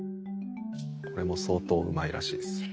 これも相当うまいらしいです。